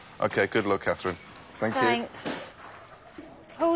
はい。